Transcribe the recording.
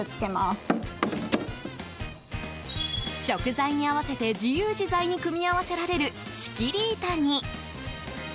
食材に合わせて自由自在に組み合わせられる仕切り板に。